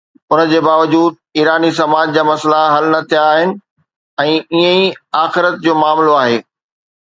ان جي باوجود ايراني سماج جا مسئلا حل نه ٿيا آهن ۽ ائين ئي آخرت جو معاملو آهي.